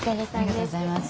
ありがとうございます。